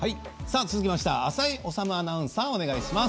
続いては浅井理アナウンサーお願いします。